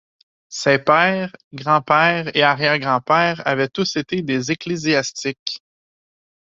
Ses père, grand-père et arrière-grand-père avaient tous été des ecclésiastiques.